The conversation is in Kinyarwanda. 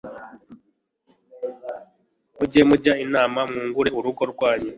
mujye mujya inama mwungure urugo rwanyu